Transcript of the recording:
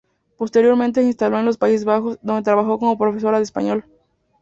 Posteriormente se instaló en los Países Bajos, donde trabajó como profesora de español.